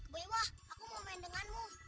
bu iwa aku mau main denganmu